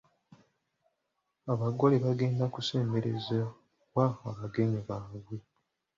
Abagole bagenda kusembereza wa abagenyi baabwe ?